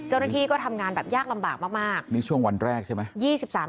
เจ้าหน้าที่ก็ทำงานแบบยากลำบากมากนี่ช่วงวันแรกใช่ไหม